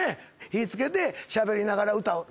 火付けてしゃべりながら歌歌って。